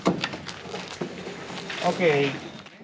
ＯＫ。